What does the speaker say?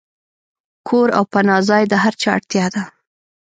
کور او پناه ځای د هر چا اړتیا ده.